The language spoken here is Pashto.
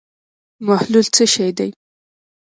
محلول څه شی دی.